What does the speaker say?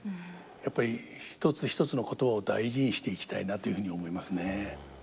やっぱり一つ一つの言葉を大事にしていきたいなというふうに思いますね。